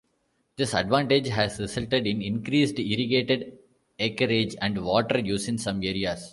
This advantage has resulted in increased irrigated acreage and water use in some areas.